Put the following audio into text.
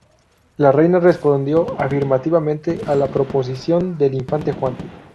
La reina respondió afirmativamente a la proposición del infante Juan.